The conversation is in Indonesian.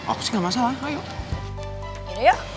aku sih gak masalah ayo